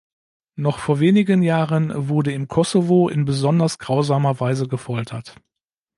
Noch vor wenigen Jahren wurde im Kosovo in besonders grausamer Weise gefoltert.